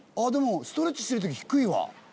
ストレッチしてる時低い。